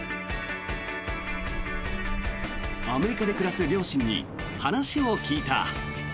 アメリカで暮らす両親に話を聞いた。